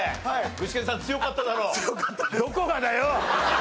具志堅さん強かっただろ？